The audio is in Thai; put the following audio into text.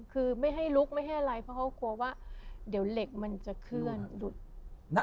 คือไม่ให้ลุกไม่ให้อะไรเพราะเขากลัวว่าเดี๋ยวเหล็กมันจะเคลื่อนหลุด